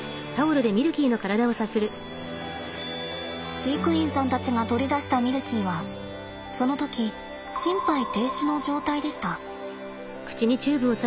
飼育員さんたちが取り出したミルキーはその時心肺停止の状態でした。